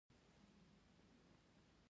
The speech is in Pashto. که کلمې ونه جوړو ژبه مري.